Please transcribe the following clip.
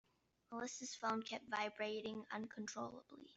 Melissa's phone kept vibrating uncontrollably.